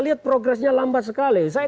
lihat progresnya lambat sekali saya